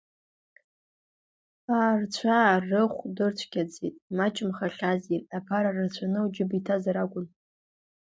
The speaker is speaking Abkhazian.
Аарцәаа рыхә дырцәгьаӡеит, имаҷымхахьази, аԥара рацәаны уџьыба иҭазар акәын.